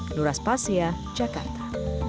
anies baswedan jakarta